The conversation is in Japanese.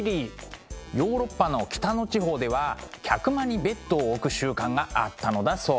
ヨーロッパの北の地方では客間にベッドを置く習慣があったのだそう。